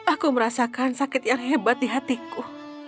aku merasakan sakit yang hebat di hatiku